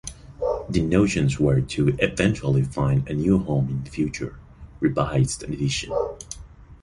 The notations were to eventually find a new home in a future, revised edition.